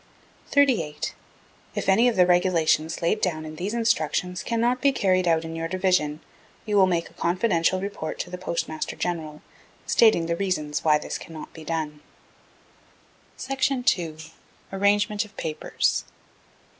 38. If any of the Regulations laid down in these instructions cannot be carried out in your Division, you will make a confidential report to the Postmaster General, stating the reasons why this cannot be done. II. ARRANGEMENT OF PAPERS.